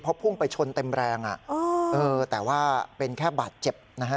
เพราะพุ่งไปชนเต็มแรงแต่ว่าเป็นแค่บาดเจ็บนะฮะ